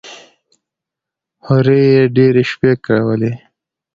هورې يې ډېرې شپې کولې.